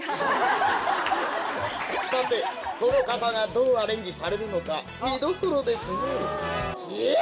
どの方がどうアレンジされるのか見どころですねぇ。